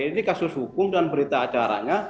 ini kasus hukum dan berita acaranya